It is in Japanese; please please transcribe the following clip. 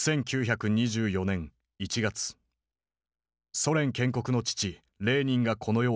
ソ連建国の父レーニンがこの世を去った。